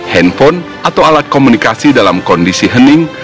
handphone atau alat komunikasi dalam kondisi hening